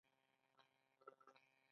آیا دیجیجی کالا د انلاین پلورنځی نه دی؟